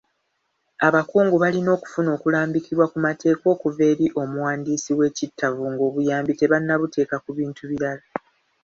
Abakungu balina okufuna okulambikibwa ku mateeka okuva eri omuwandiisi w'ekittavu ng'obuyambi tebannabuteeka ku bintu birala.